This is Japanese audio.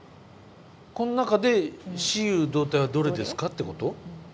この中で雌雄同体はどれですかっていうこと？